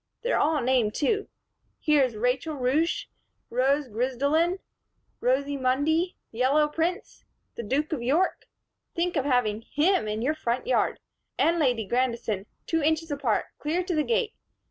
They're all named, too. Here's Rachel Ruish, Rose Grisdelin, Rosy Mundi, Yellow Prince, the Duke of York think of having him in your front yard and Lady Grandison, two inches apart, clear to the gate.